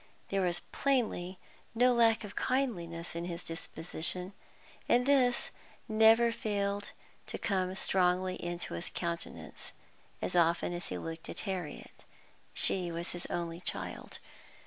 There was plainly no lack of kindliness in his disposition, and this never failed to come strongly into his countenance as often as he looked at Harriet. She was his only child.